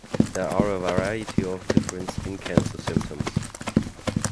There are a variety of different skin cancer symptoms.